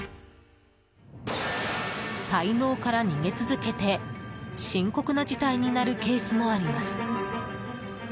滞納から逃げ続けて深刻な事態になるケースもあります。